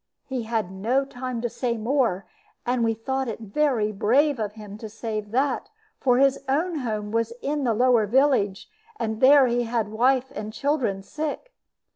He had no time to say more; and we thought it very brave of him to say that, for his own house was in the lower village, and there he had a wife and children sick.